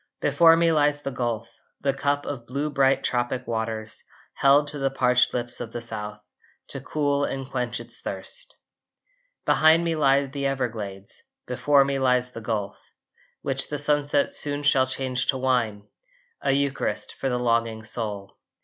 Before me lies the Gulf, The cup of blue bright tropic waters, Held to the parched lips of the South To cool and quench its thirst. Behind me lie the Everglades, Before me lies the Gulf, Which the sunset soon shall change to wine, A Eucharist for the longing soul.